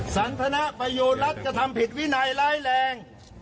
สันทนประโยชน์รัฐกระทำผิดวินัยร้ายแรง